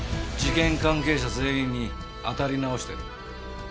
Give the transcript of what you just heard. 事件関係者全員にあたり直してる。